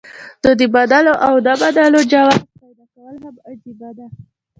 نو د منلو او نۀ منلو جواز پېدا کول هم عجيبه ده